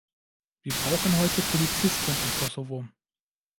Wir brauchen heute Polizisten im Kosovo!